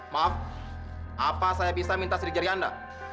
maaf apa saya bisa minta sidik jari anda